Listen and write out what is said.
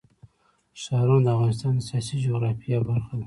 ښارونه د افغانستان د سیاسي جغرافیه برخه ده.